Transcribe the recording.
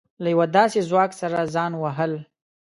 له يوه داسې ځواک سره ځان وهل.